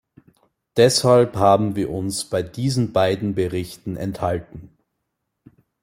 Deshalb haben wir uns bei diesen beiden Berichten enthalten.